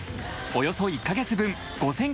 およそ１カ月分